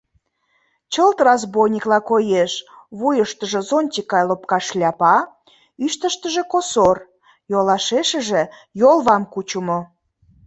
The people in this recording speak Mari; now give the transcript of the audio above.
Чылт разбойникла коеш: вуйыштыжо зонтик гай лопка шляпа, ӱштыштыжӧ косор, йолашешыже йолвам кучымо.